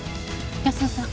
泰乃さん。